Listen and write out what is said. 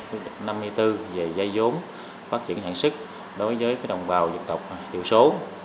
ba mươi hai quyết định năm mươi bốn về giai dốn phát triển hạng sức đối với đồng bào dân tộc tiểu số